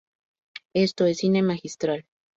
Esto es cine magistral".